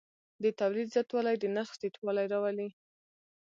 د تولید زیاتوالی د نرخ ټیټوالی راولي.